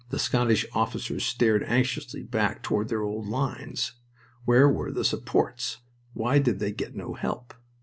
Scottish officers stared anxiously back toward their old lines. Where were the supports? Why did they get no help?